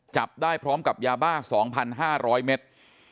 จับได้พร้อมกับยาบ้า๒๕๐๐เมตร